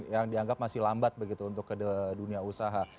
yang dianggap masih lambat begitu untuk ke dunia usaha